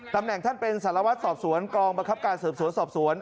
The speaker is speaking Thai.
ตำแหน่งท่านเป็นสารวัตรสอบสวนกองบังคับการสืบสวนสอบสวน